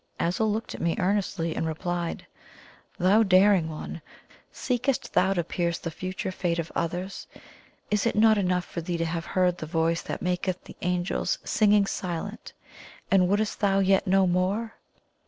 Azul looked at me earnestly, and replied: "Thou daring one! Seekest thou to pierce the future fate of others? Is it not enough for thee to have heard the voice that maketh the Angel's singing silent, and wouldst thou yet know more?"